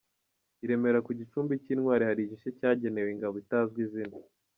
I Remera ku gicumbi cy'Intwari hari igice cyagenewe Ingabo itazwi izina.